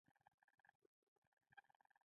دَدوي اصل نوم شېخ محمد اکبر